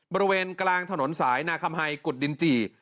บริเวณกลางถนนสายนาคัมไฮกุฎดินจี่